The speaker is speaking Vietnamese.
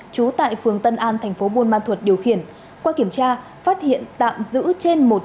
trú tại phường tân an thành phố buôn ma thuật điều khiển qua kiểm tra phát hiện tạm giữ trên một